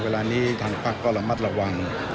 เวลานี้ทางพักก็ระมัดระวัง